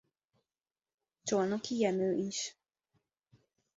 Cholnoky Jenő is.